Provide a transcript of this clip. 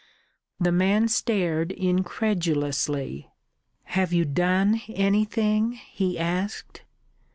The man stared incredulously. "Have you done anything?" he asked.